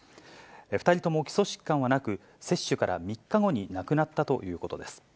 ２人とも基礎疾患はなく、接種から３日後に亡くなったということです。